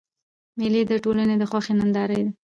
مېلې د ټولني د خوښۍ ننداره ده.